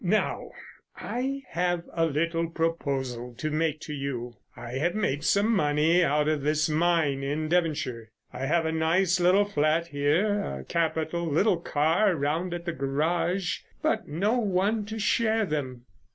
Now, I have a little proposal to make to you. I have made some money out of this mine in Devonshire. I have a nice little flat here, a capital little car round at the garage, but no one to share them."